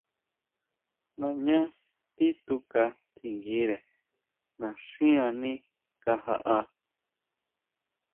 Nañá tituka tjinguire naxín aní kajaʼá.